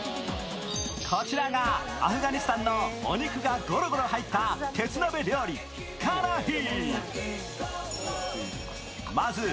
こちらがアフガニスタンのお肉がゴロゴロ入った鉄鍋料理カラヒィ。